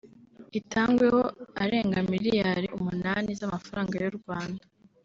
itangweho arenga miliyari umunani z’amafaranga y’u Rwanda